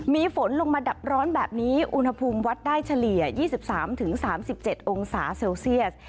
มีฝนลงมาดับร้อนแบบนี้อุณหภูมิวัดได้เฉลี่ย๒๓๓๗องศาเซลเซียส